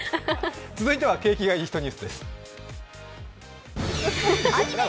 続いては景気がイイ人ニュースです。